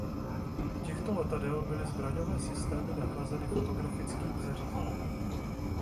U těchto letadel byly zbraňové systémy nahrazeny fotografickým zařízením.